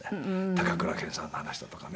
高倉健さんの話だとかね。